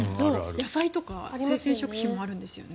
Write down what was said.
野菜とか生鮮食品もあるんですよね。